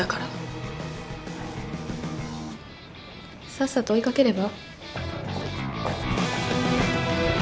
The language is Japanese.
さっさと追いかければ？